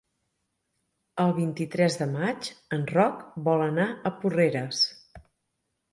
El vint-i-tres de maig en Roc vol anar a Porreres.